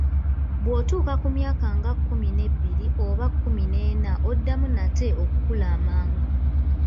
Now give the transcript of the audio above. Bw'otuuka ku myaka nga kkumi n'ebiri oba kkumi n'ena, oddamu nate okukula amangu.